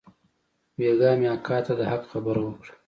بيگاه مې اکا ته د حق خبره وکړه.